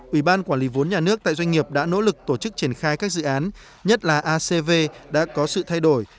ủy ban quản lý vốn nhà nước tại doanh nghiệp đã nỗ lực tổ chức triển khai các dự án nhất là acv đã có sự thay đổi